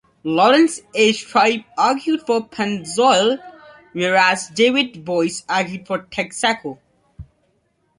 Laurence H. Tribe argued for Pennzoil, whereas David Boies argued for Texaco.